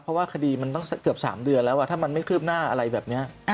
เพราะว่าคดีมันตั้งเกือบ๓เดือนแล้วถ้ามันไม่คืบหน้าอะไรแบบนี้